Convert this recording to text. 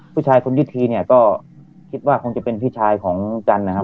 ผู้ชายคุณยุทธีเนี่ยก็คิดว่าคงจะเป็นพี่ชายของจันทร์นะครับ